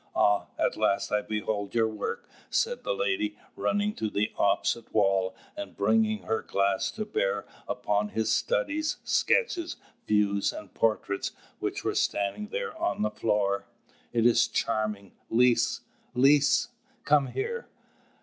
Ah, at last I behold your work!" said the lady, running to the opposite wall, and bringing her glass to bear upon his studies, sketches, views and portraits which were standing there on the floor. "It is charming. Lise! Lise, come here.